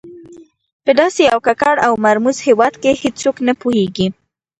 په داسې یو ککړ او مرموز هېواد کې هېڅوک نه پوهېږي.